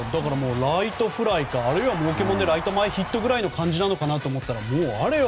ライトフライかあるいはもうけものでライト前ヒットくらいかと思ったらあれよ